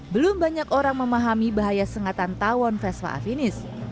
belum banyak orang memahami bahaya sengatan tawon vespa afinis